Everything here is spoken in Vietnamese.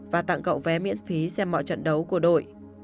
và tặng cậu vé miễn phí xem mọi trận đấu của đội